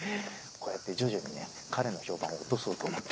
こうやって徐々にね彼の評判を落とそうと思って。